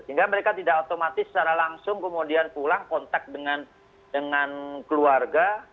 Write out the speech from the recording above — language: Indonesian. sehingga mereka tidak otomatis secara langsung kemudian pulang kontak dengan keluarga